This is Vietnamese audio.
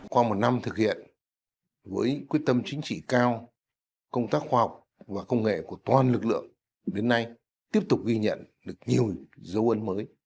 qua một năm thực hiện với quyết tâm chính trị cao công tác khoa học và công nghệ của toàn lực lượng đến nay tiếp tục ghi nhận được nhiều dấu ấn mới